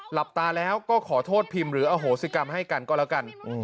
หลับตาแล้วก็ขอโทษพิมพ์หรืออโหสิกรรมให้กันก็แล้วกัน